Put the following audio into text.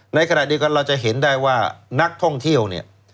ในขณะเดียวกันเราจะเห็นได้ว่านักท่องเที่ยวเนี่ย